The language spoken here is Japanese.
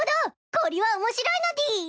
こりは面白いのでぃす！